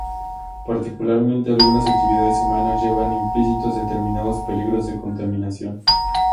Particularmente algunas actividades humanas llevan implícitos determinados peligros de contaminación.